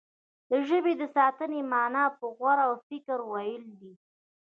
د ژبې د ساتنې معنا په غور او فکر ويل دي.